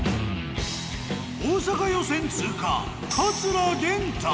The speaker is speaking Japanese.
大阪予選通過桂源太。